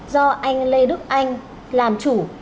do anh lê đức anh làm chủ